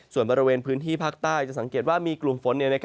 ส่วนบริเวณพื้นที่ภาคใต้จะสังเกตว่ามีกลุ่มฝน